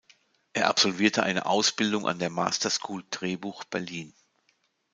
Er absolvierte eine Ausbildung an der Master School Drehbuch Berlin.